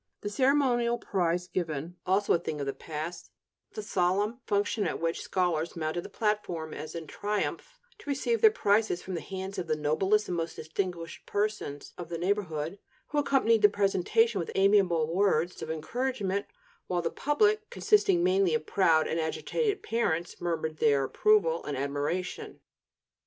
The ceremonial prize giving is also a thing of the past, the solemn function at which the scholars mounted the platform as in triumph to receive their prizes from the hands of the noblest and most distinguished persons of the neighborhood, who accompanied the presentation with amiable words of encouragement while the public, consisting mainly of proud and agitated parents, murmured their approval and admiration.